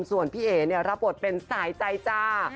ส่วนพี่เอ๋รับบทเป็นสายใจจ้า